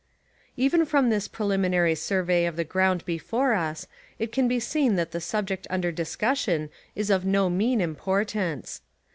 Even from this preliminary survey of the ground before us it can be seen that the subject under discussion is of no mean importance.